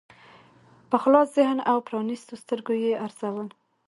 په خلاص ذهن او پرانیستو سترګو یې ارزول.